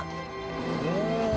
うん！